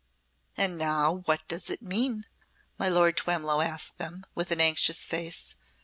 "And now what does it mean?" my Lord Twemlow asked them, with an anxious face.